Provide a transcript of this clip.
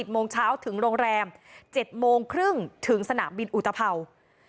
โมงเช้าถึงโรงแรม๗โมงครึ่งถึงสนามบินอุตภัวร์